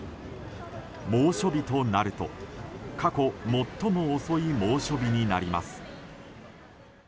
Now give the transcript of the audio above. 猛暑日となると過去最も遅い猛暑日になります。